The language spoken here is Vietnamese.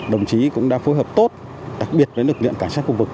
đồng chí cũng đã phối hợp tốt đặc biệt với lực luyện cả sát khu vực